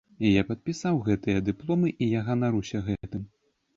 Я падпісаў гэтыя дыпломы, і я ганаруся гэтым.